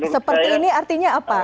seperti ini artinya apa